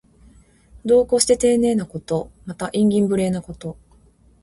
度を越してていねいなこと。また、慇懃無礼なこと。